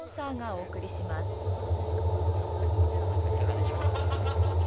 こちらなんかいかがでしょう？